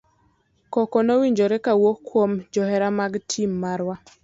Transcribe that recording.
Koko nowinjore kawuok kuom johera mar tim marwa.